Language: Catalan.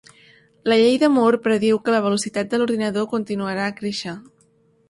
La llei de Moore prediu que la velocitat de l'ordinador continuarà a créixer.